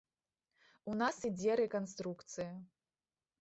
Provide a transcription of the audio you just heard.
У нас ідзе рэканструкцыя.